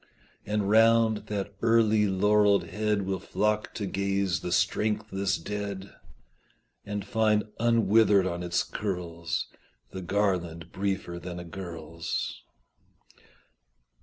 And round that early laurelled head Will flock to gaze the strengthless dead, And find unwithered on its curls The garland briefer than a girl's.